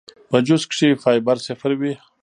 پۀ جوس کښې فائبر صفر وي